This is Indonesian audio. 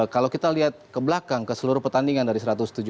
kalau kita lihat ke belakang ke seluruh pertandingan dari satu ratus tujuh puluh